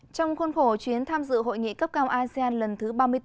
trong khuôn khổ chuyến tham dự hội nghị cấp cao asean lần thứ ba mươi bốn